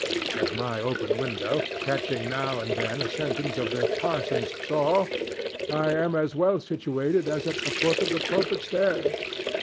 At my open window, catching now and then a sentence of the "parson's saw," I am as well situated as at the foot of the pulpit stairs.